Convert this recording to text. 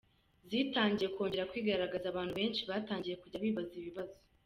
zitangiye kongera kwigaragaza abantu benshi batangiye kujya bibaza ibibazo.